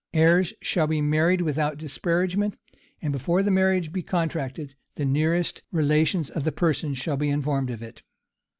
Heirs shall be married without disparagement; and before the marriage be contracted, the nearest relations of the person shall be informed of it.